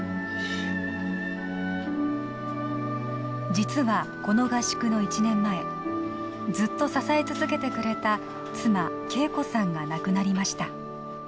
実はこの合宿の１年前ずっと支え続けてくれた妻・恵子さんが亡くなりました